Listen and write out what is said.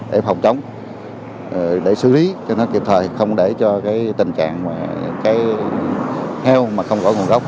để phòng chống để xử lý cho nó kịp thời không để cho tình trạng heo mà không có nguồn gốc